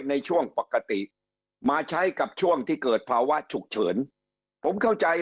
ในช่วงปกติมาใช้กับช่วงที่เกิดภาวะฉุกเฉินผมเข้าใจ